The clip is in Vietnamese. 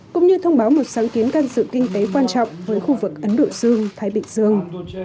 cũng như thông báo một sáng kiến can sự kinh tế quan trọng với khu vực ấn độ dương thái bình dương